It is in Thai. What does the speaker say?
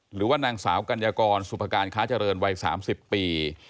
หรือว่านางสาวกัญญากรสุภาการค้าเจริญวัย๓๐ปี